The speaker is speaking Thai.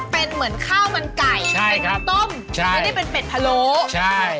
เป็นเหมือนข้าวมันไก่ใช่เป็นต้มใช่ไม่ได้เป็นเป็ดพะโล้ใช่